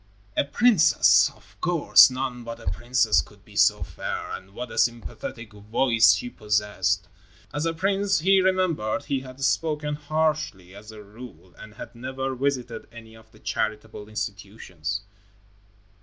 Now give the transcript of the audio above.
A princess! Of course, none but a princess could be so fair. And what a sympathetic voice she possessed. As a prince, he remembered, he had spoken harshly as a rule, and had never visited any of the charitable institutions.